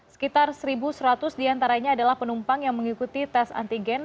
sekitar satu seratus diantaranya adalah penumpang yang mengikuti tes antigen